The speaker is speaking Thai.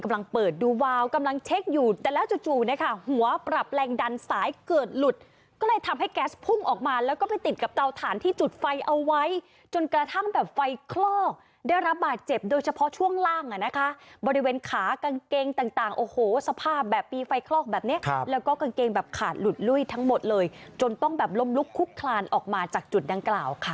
มาแล้วก็ไปติดกับเตาถ่านที่จุดไฟเอาไว้จนกระทั่งแบบไฟคลอกได้รับบาดเจ็บโดยเฉพาะช่วงล่างอ่ะนะคะบริเวณขากางเกงต่างต่างโอ้โหสภาพแบบมีไฟคลอกแบบเนี้ยครับแล้วก็กางเกงแบบขาดหลุดล่วยทั้งหมดเลยจนต้องแบบลมลุกคุกคลานออกมาจากจุดดังกล่าวค่ะ